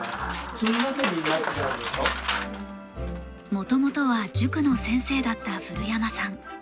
もともとは塾の先生だった古山さん。